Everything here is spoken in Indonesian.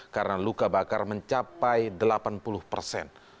karena luka bakar mencapai delapan puluh persen